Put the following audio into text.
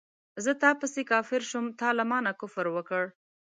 زه تا پسې کافر شوم تا له مانه کفر وکړ